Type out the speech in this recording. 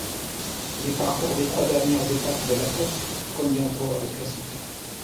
Le parcours des trois dernières étapes de la course convient aux coureurs de classiques.